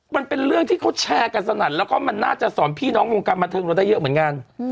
มันเป็นเรื่องที่เขาแชร์กันสนั่นแล้วก็มันน่าจะสอนพี่น้องวงการบันเทิงเราได้เยอะเหมือนกัน